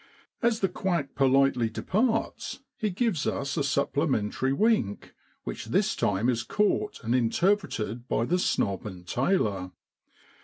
As the quack politely departs he gives us a supplemen tal wink, which this time is caught and interpreted by the snob and tailor.